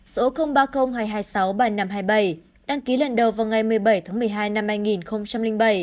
số ba không hai hai sáu ba năm hai bảy đăng ký lần đầu vào ngày một mươi bảy tháng một mươi hai năm hai nghìn bảy